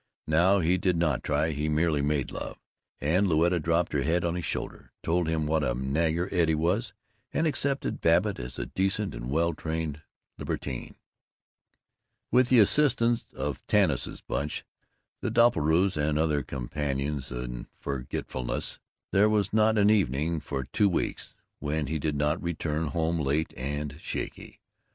Now he did not try; he merely made love; and Louetta dropped her head on his shoulder, told him what a nagger Eddie was, and accepted Babbitt as a decent and well trained libertine. With the assistance of Tanis's Bunch, the Doppelbraus, and other companions in forgetfulness, there was not an evening for two weeks when he did not return home late and shaky.